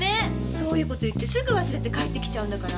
そういう事言ってすぐ忘れて帰ってきちゃうんだから。